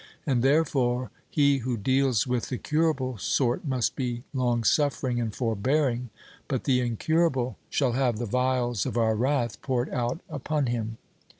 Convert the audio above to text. And therefore he who deals with the curable sort must be long suffering and forbearing; but the incurable shall have the vials of our wrath poured out upon him.